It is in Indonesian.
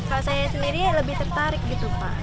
kalau saya sendiri lebih tertarik gitu pak